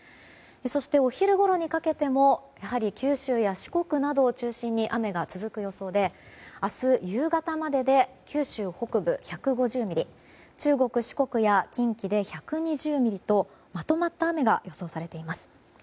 そして、お昼ごろにかけてもやはり九州や四国などを中心に雨が続く予想で明日夕方までで九州北部で１５０ミリ中国・四国や近畿で１２０ミリとまとまった雨が予想されています。